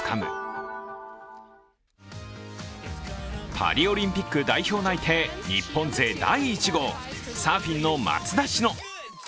パリオリンピック代表内定日本勢第１号、サーフィンの松田詩野。